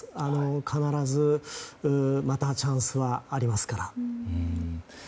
必ずまたチャンスはありますから。